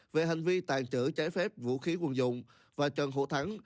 về hành vi tàn trữ trái phép vũ khí quân dụng và trần hổ thắng